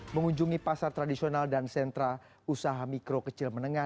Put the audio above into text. mengunjungi pasar tradisional dan sentra usaha mikro kecil menengah